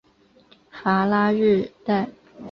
戈拉日代。